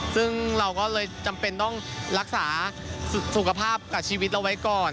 ซึ่งเราก็เลยจำเป็นต้องรักษาสุขภาพกับชีวิตเราไว้ก่อน